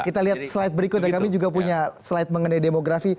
kita lihat slide berikutnya kami juga punya slide mengenai demografi